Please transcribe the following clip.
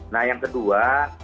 nah yang kedua